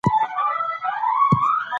دوی به دښمن ته پته لګولې وي.